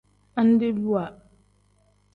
Andebiwa.